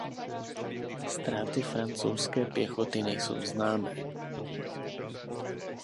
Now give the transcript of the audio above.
Ztráty francouzské pěchoty nejsou známé.